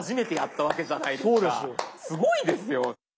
すごいですよ！